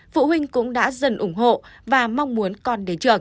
phụ huynh cũng đã dần ủng hộ và mong muốn con đến trường